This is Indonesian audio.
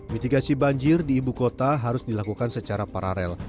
mitigasi banjir di ibu kota harus dilakukan secara paralel